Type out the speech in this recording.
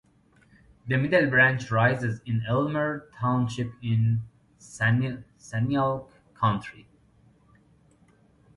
The Middle Branch rises in Elmer Township in Sanilac County.